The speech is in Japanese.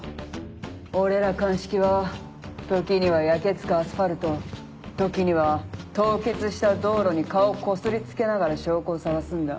俺ら鑑識は時には焼け付くアスファルト時には凍結した道路に顔こすりつけながら証拠を捜すんだ。